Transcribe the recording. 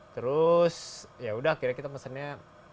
terus ya udah akhirnya kita mesennya